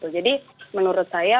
jadi menurut saya